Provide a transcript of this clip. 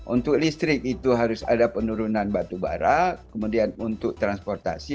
untuk listrik itu harus ada penurunan batu bara kemudian untuk transportasi